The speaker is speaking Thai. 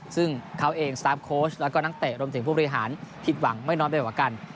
ซึ่งเขาเองสตาร์ฟโค้ชแล้วก็นักเตะรวมถึงผู้บริหารผิดหวังไม่น้อยไปกว่ากัน